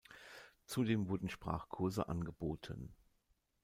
Zudem wurden Sprachkurse angeboten.